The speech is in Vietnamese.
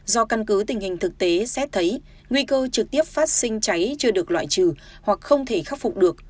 do căn cứ tình hình thực tế xét thấy nguy cơ trực tiếp phát sinh cháy chưa được loại trừ hoặc không thể khắc phục được